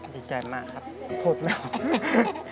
ดีใจมากครับโทษนะครับ